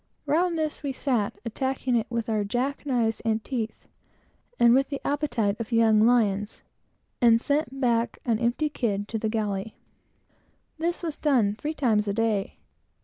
Round this we sat, attacking it with our jack knives and teeth, and with the appetite of young lions, and sent back an empty kid to the galley. This was done three times a day.